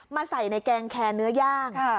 ใส่ในแกงแคร์เนื้อย่าง